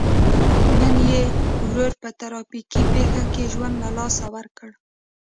نن یې ورور په ترافیکي پېښه کې ژوند له لاسه ورکړی.